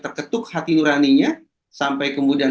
terketuk hati nuraninya sampai kemudian